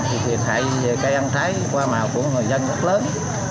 thì thiệt hại về cây ăn trái qua màu của người dân rất lớn